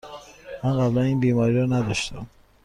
من قبلاً این بیماری را نداشتم.